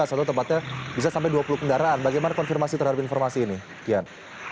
atau tempatnya bisa sampai dua puluh kendaraan bagaimana konfirmasi terhadap informasi ini kian